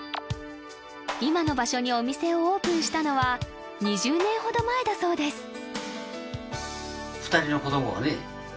今の場所にお店をオープンしたのは２０年ほど前だそうです